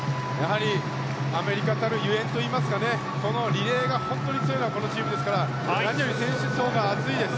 アメリカたるゆえんといいますかこのリレーが本当に強いのはこのチームですから何より選手層が厚いです。